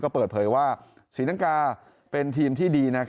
ก็เปิดเผยว่าศิษย์ทางกาเป็นทีมที่ดี